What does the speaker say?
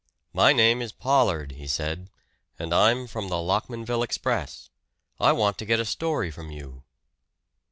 "My name is Pollard," he said, "and I'm from the Lockmanville 'Express.' I want to get a story from you."